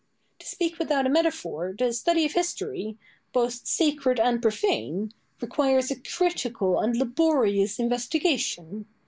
To speak without a metaphor, the study of history, both sacred and profane, requires a critical and laborious investigation.